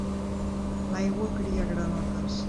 L'aigua cria granotes.